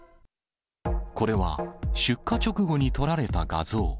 これは、出火直後に撮られた画像。